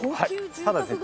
ただですね